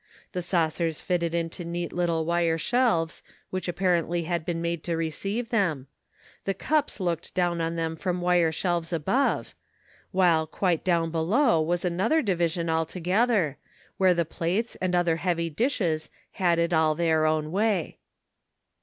The saucers fitted into neat little wire shelves which apparently had been made to receive them; the cups looked down on them from wire shelves above, while quite down below was another division alto gether, where the plates and other heavy dishes had it all their own way.